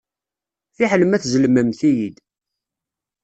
Fiḥel ma tzellmemt-iyi-d.